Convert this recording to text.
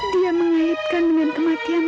dia mengaitkan dengan kematian mas prabu